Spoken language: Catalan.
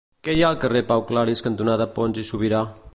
Què hi ha al carrer Pau Claris cantonada Pons i Subirà?